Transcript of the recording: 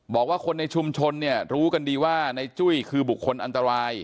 บอกว่าคนในชุมชนเนี่ยรู้กันดีว่าในจุ้ยคือบุคคลอันตราย